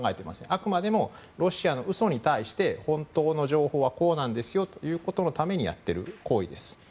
あくまでもロシアの嘘に対して本当の情報はこうなんですよということのためにやっている行為です。